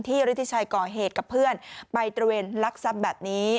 ที่ริฐิชัยก่อเหตุกับเพื่อนไปตระเวนลักษณ์ซับแบบนี้